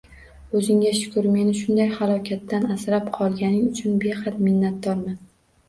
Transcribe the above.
O`zingga shukr, meni shunday halokatdan asrab qolganing uchun behad minnatdorman